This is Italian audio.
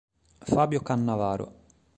Fabio Cannavaro